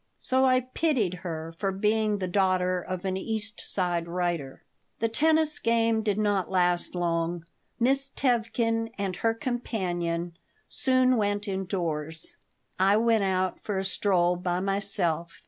So I pitied her for being the daughter of an East Side writer The tennis game did not last long. Miss Tevkin and her companion soon went indoors. I went out for a stroll by myself.